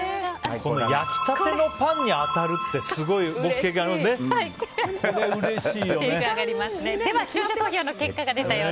焼きたてのパンに当たるって経験ありますよね。